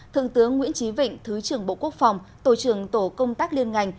thượng tướng nguyễn trí vịnh thứ trưởng bộ quốc phòng tổ trưởng tổ công tác liên ngành